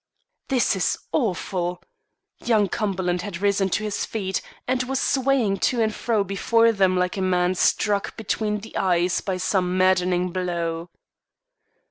"This is awful!" Young Cumberland had risen to his feet and was swaying to and fro before them like a man struck between the eyes by some maddening blow.